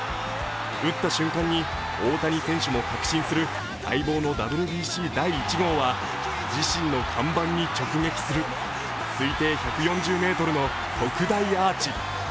打った瞬間に大谷選手も確信する待望のＷＢＣ第１号は自身の看板に直撃する推定１４０ｍの特大アーチ。